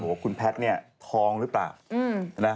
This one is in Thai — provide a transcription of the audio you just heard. ว่าคุณแพทย์เนี่ยทองหรือเปล่า